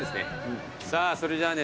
さあそれじゃあね